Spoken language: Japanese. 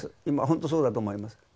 今ほんとそうだと思います。